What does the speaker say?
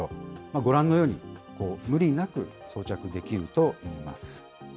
ご覧のように、無理なく装着できるといいます。